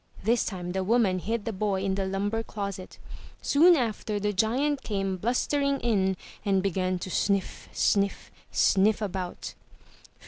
This time the woman hid the boy in the lumber closet. Soon after the giant came blustering in and began to sniff, sniff, sniff about.